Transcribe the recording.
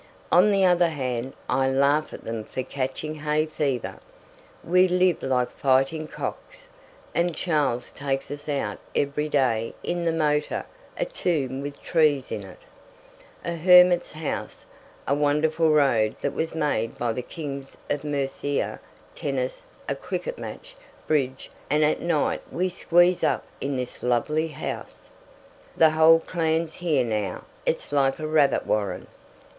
On the other hand, I laugh at them for catching hay fever. We live like fighting cocks, and Charles takes us out every day in the motor a tomb with trees in it, a hermit's house, a wonderful road that was made by the Kings of Mercia tennis a cricket match bridge and at night we squeeze up in this lovely house. The whole clan's here now it's like a rabbit warren.